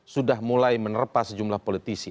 sudah mulai menerpa sejumlah politisi